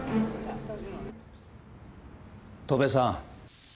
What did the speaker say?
戸辺さん。